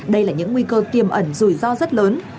đây là những nguy cơ tiềm ẩn rủi ro rất lớn